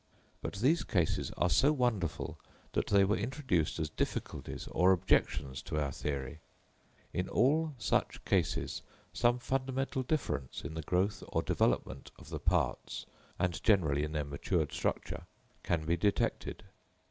But these cases are so wonderful that they were introduced as difficulties or objections to our theory. In all such cases some fundamental difference in the growth or development of the parts, and generally in their matured structure, can be detected.